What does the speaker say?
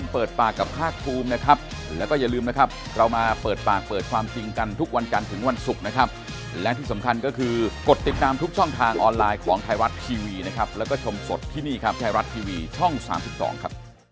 พบกันใหม่พรุ่งนี้บ่ายสามครึ่งครับสวัสดีครับ